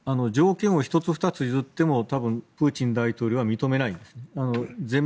条件を１つ２つ譲っても多分、プーチン大統領は認めないんですね。